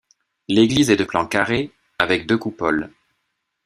L'église est de plan carré, avec deux coupoles.